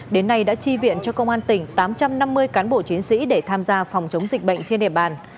đến nay đã chi viện cho công an tỉnh tám trăm năm mươi cán bộ chiến sĩ để tham gia phòng chống dịch bệnh trên địa bàn